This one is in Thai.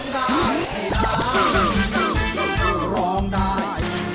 คือร้องได้ให้ได้